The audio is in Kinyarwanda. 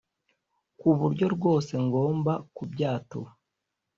kuburyo rwose ngomba kubyatura